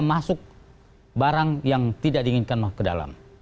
masuk barang yang tidak diinginkan masuk ke dalam